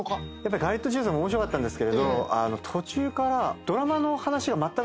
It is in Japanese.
ガリットチュウさんも面白かったんですけど途中から。